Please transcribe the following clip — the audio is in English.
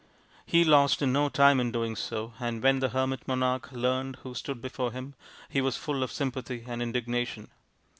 He lost no time in doing so, and when the hermit monarch learnt who stood before him, he was full of sympathy and indignation.